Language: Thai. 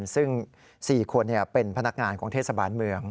ซึ่ง๔คนเป็นพนักงานของเทศบาลเมือง